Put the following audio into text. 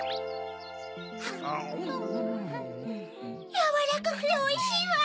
やわらかくておいしいわ。